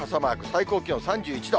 最高気温３１度。